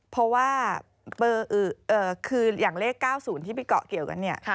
เพราะว่าคืออย่างเลข๙๐ที่ไปเกาะเกี่ยวกันเนี่ย